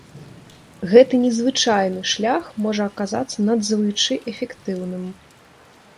Гэты незвычайны шлях можа аказацца надзвычай эфектыўным.